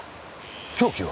凶器は？